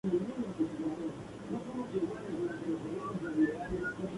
En esta fase la competición está organizada por las asociaciones regionales rumanas de fútbol.